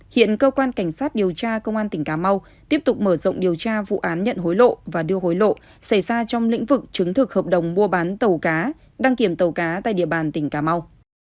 hiện cơ quan cảnh sát điều tra công an tỉnh cà mau tiếp tục mở rộng điều tra vụ án nhận hối lộ và đưa hối lộ xảy ra trong lĩnh vực chứng thực hợp đồng mua bán tàu cá đăng kiểm tàu cá tại địa bàn tỉnh cà mau